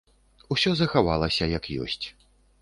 Усё захавалася як ёсць.